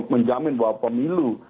menjamin bahwa pemilu